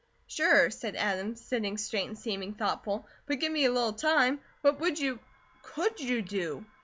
"Sure," said Adam, sitting straight and seeming thoughtful, "but give me a little time. What would you could you, do?"